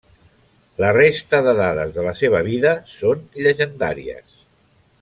La resta de dades de la seva vida són llegendàries.